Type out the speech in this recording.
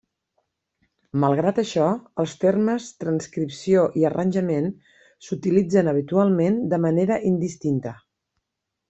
Malgrat això, els termes transcripció i arranjament s'utilitzen habitualment de manera indistinta.